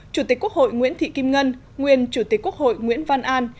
chủ tịch quốc hội nguyễn thị kim ngân nguyên chủ tịch quốc hội nguyễn văn an